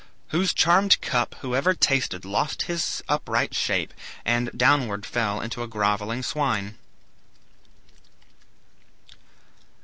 whose charmed cup Whoever tasted lost his upright shape, And downward fell into a grovelling swine)."